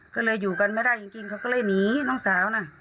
ก็เลยอยู่กันไม่ได้จริงเขาก็เลยหนีน้องสาวนะ